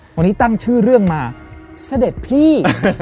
วันนี้ตั้งชื่อเรื่องมาเสด็จพี่